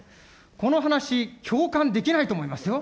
この話、共感できないと思いますよ。